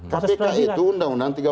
kpk itu undang undang